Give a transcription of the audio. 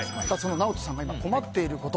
ＮＡＯＴＯさんが今、困っていること。